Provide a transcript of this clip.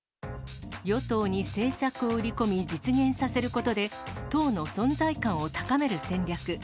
与党に政策を売り込み実現させることで、党の存在感を高める戦略。